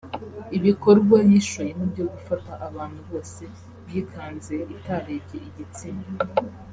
Ibikorwa yishoyemo byo gufata abantu bose yikanze itarebye igitsina